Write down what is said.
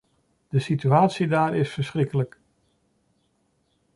De situatie daar is verschrikkelijk.